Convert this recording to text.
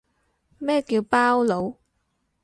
咩叫包佬